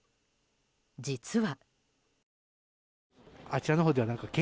実は。